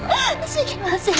知りません。